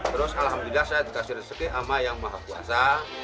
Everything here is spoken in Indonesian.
terus alhamdulillah saya dikasih rezeki sama yang maha kuasa